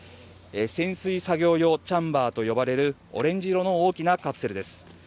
潜水作業用チャンバーと呼ばれるオレンジ色の大きなカプセルです。